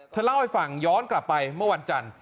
เธอเล่าให้ฟังย้อนกลับไปเมื่อวันจันทร์